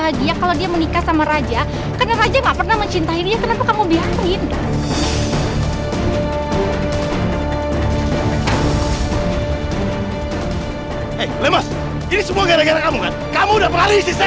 hai lemas ini semua gara gara kamu kamu udah pengalih saya udah udah udah udah